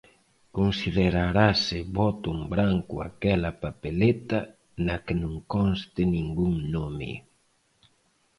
Considerarase voto en branco aquela papeleta na que non conste ningún nome.